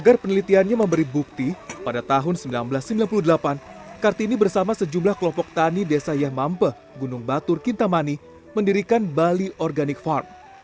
agar penelitiannya memberi bukti pada tahun seribu sembilan ratus sembilan puluh delapan kartini bersama sejumlah kelompok tani desa yahmampe gunung batur kintamani mendirikan bali organic farm